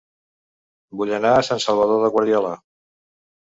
Vull anar a Sant Salvador de Guardiola